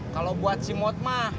kalau buat si motma